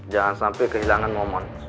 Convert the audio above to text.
jangan sampai kehilangan momon